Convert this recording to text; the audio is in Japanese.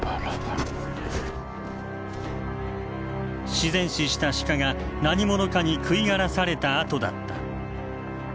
自然死したシカが何者かに食い荒らされたあとだった。